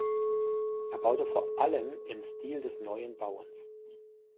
Er baute vor allem im Stil des Neuen Bauens.